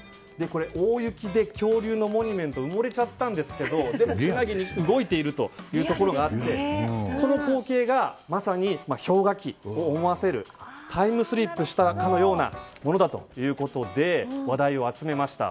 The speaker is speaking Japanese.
大雪で恐竜のモニュメントが埋もれちゃったんですけどでも動いているというところがあって、この光景がまさに氷河期を思わせるタイムスリップしたかのようなものだということで話題を集めました。